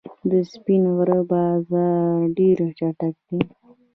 د سپین غر بازان ډېر چټک دي.